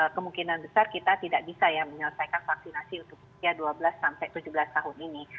kemungkinan besar kita tidak bisa menyelesaikan vaksinasi untuk usia dua belas tujuh belas tahun ini